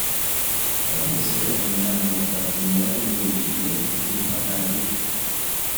Elle possède un énorme patrimoine immobilier rue Paradis.